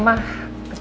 sa tunggu sa